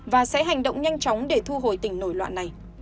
và sẽ hành động nhanh chóng để thu hồi tỉnh nổi loạn này